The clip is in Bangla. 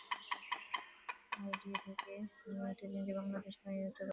আইডিএ থেকে নিয়মিত যে ঋণ বাংলাদেশ পায়, এই অর্থ তার বাইরে।